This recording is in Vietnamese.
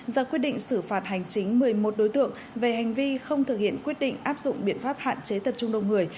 ra quyết định xử phạt hành chính một mươi một đối tượng về hành vi không thực hiện quyết định áp dụng biện pháp hạn chế tập trung đông người